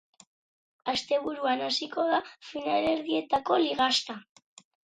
Asteburuan hasiko da finalerdietako ligaxka.